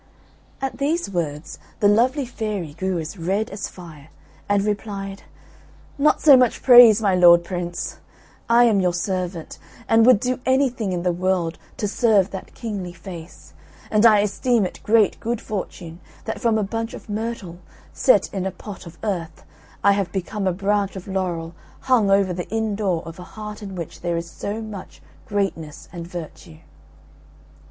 At these words the lovely fairy grew as red as fire, and replied, "Not so much praise, my lord Prince! I am your servant, and would do anything in the world to serve that kingly face; and I esteem it great good fortune that from a bunch of myrtle, set in a pot of earth, I have become a branch of laurel hung over the inn door of a heart in which there is so much greatness and virtue."